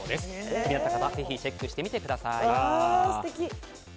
気になった方はぜひチェックしてみてください。